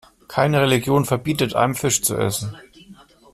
Keine Religion verbietet einem, Fisch zu essen.